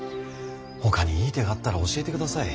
ほかにいい手があったら教えてください。